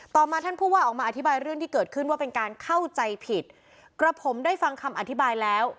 มาท่านผู้ว่าออกมาอธิบายเรื่องที่เกิดขึ้นว่าเป็นการเข้าใจผิดกระผมได้ฟังคำอธิบายแล้ว